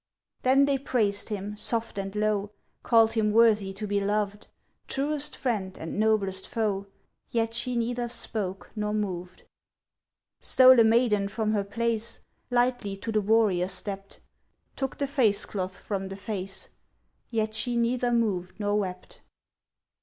Then they praised him, soft and low, Called him worthy to be loved, Truest friend and noblest foe; Yet she neither spoke nor moved. Stole a maiden from her place, Lightly to the warrior stept, Took the face cloth from the face; Yet she neither moved nor wept.